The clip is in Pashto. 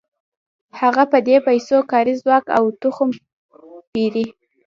هغه په دې پیسو کاري ځواک او تخم پېري